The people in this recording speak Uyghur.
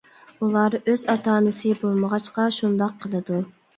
ئۇلار ئۆز ئاتا-ئانىسى بولمىغاچقا شۇنداق قىلىدۇ.